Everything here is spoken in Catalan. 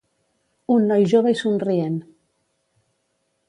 Un noi jove i somrient.